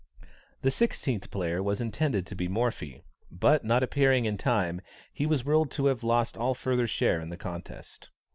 The sixteenth player was intended to be Morphy, but not appearing in time, he was ruled to have lost all further share in the contest.